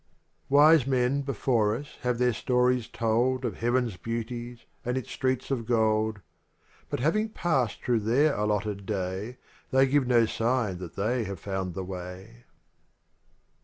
Wise men before us have their stories told f Of heaven's beauties and its streets of gold, But having passed thro' their allotted day, They give no sign that they have found the way.